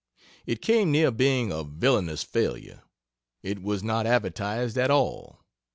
It came near being a villainous failure. It was not advertised at all.